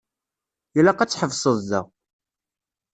Ilaq ad tḥebseḍ da.